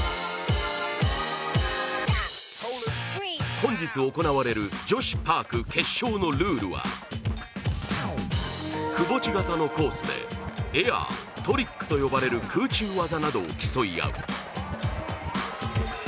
本日行われる女子パーク決勝のルールはくぼ地型のコースでエア、トリックと呼ばれる空中技などを競い合う。